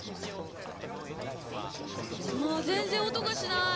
まあ全然音がしない！